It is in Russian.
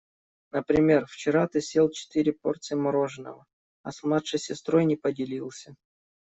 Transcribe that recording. Например, вчера ты съел четыре порции мороженого, а с младшей сестрой не поделился.